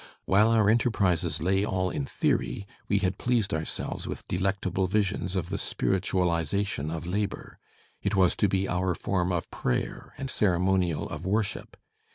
While our enterprises lay all in theory, we had pleased ourselves with delectable visions of the spiritualization of labour. It was to be our form of prayer and ceremonial of worship.